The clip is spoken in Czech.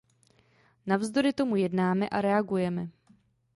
Navzdory tomu jednáme a reagujeme.